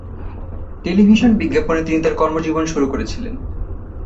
Television বিজ্ঞাপনে তিনি তার কর্মজীবন শুরু করেছিলেন।